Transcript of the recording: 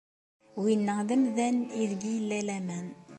Winna d amdan aydeg yella laman.